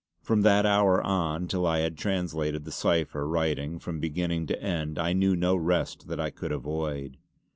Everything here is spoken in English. From that hour on, till I had translated the cipher writing from beginning to end I knew no rest that I could avoid.